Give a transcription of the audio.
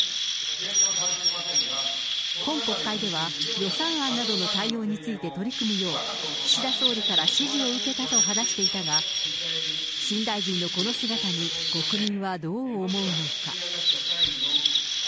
今国会では、予算案などの対応について取り組むよう、岸田総理から指示を受けたと話していたが、新大臣のこの姿に国民はどう思うのか。